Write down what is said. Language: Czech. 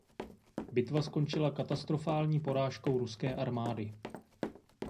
Bitva skončila katastrofální porážkou ruské armády.